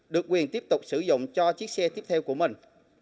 được quyền tiếp tục sử dụng cho chiếc xe tiếp theo của mình